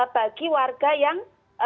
bagi warga yang